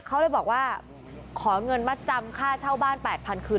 เขาเลยบอกว่าขอเงินมัดจำค่าเช่าบ้าน๘๐๐๐คืน